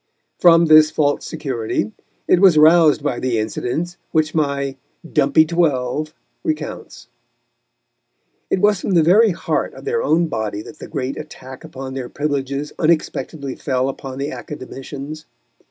From this false security it was roused by the incident which my "dumpy twelve" recounts. It was from the very heart of their own body that the great attack upon their privileges unexpectedly fell upon the Academicians.